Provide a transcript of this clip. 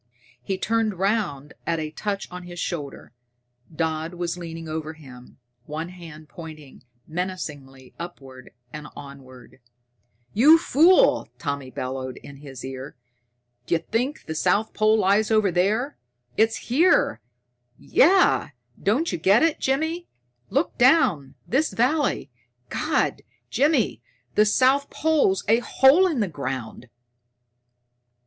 He turned round at a touch on his shoulder. Dodd was leaning over him, one hand pointing menacingly upward and onward. "You fool," Tommy bellowed in his ear, "d'you think the south pole lies over there? It's here! Yeah, don't you get it, Jimmy? Look down! This valley God, Jimmy, the south pole's a hole in the ground!"